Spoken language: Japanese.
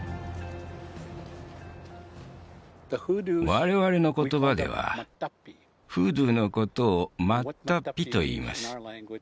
我々の言葉ではフードゥーのことを「マッタッピ」といいます